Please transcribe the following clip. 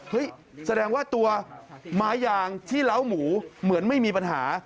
แสดงว่าตัวไม้ยางที่เล้าหมูเหมือนไม่มีปัญหา